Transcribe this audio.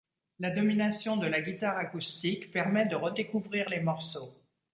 La domination de la guitare acoustique permet de redécouvrir les morceaux.